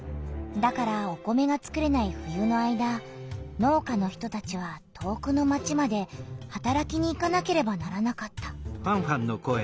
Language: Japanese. だからお米がつくれない冬の間農家の人たちは遠くの町まではたらきに行かなければならなかった。